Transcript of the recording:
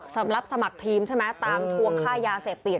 สำหรับสมัครทีมใช่ไหมตามทวงค่ายาเสพติด